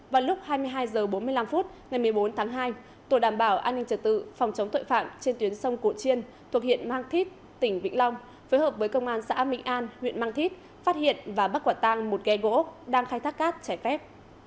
vào lúc hai mươi hai h bốn mươi năm phút ngày một mươi bốn tháng hai tổ đảm bảo an ninh trật tự phòng chống tội phạm trên tuyến sông cổ chiên thuộc huyện mang thít tỉnh vĩnh long phối hợp với công an xã mỹ an huyện mang thít phát hiện và bắt quả tăng một ghe gỗ đang khai thác cát trái phép